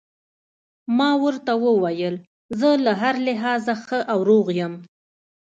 ما ورته وویل: زه له هر لحاظه ښه او روغ یم.